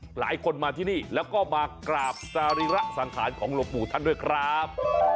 หลายคนมาที่นี่แล้วก็มากราบสรีระสังขารของหลวงปู่ท่านด้วยครับ